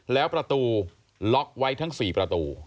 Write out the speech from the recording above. แล้วประตูล็อกไว้ทั้ง๔ประตู